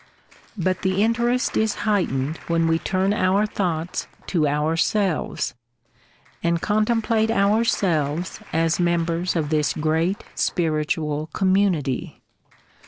But the interest is heightened when we turn our thoughts to ourselves, and contemplate ourselves as members of this great spiritual community.